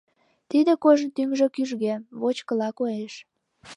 Тиде кожын тӱҥжӧ кӱжгӧ, вочкыла коеш.